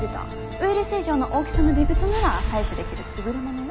ウイルス以上の大きさの微物なら採取できる優れものよ。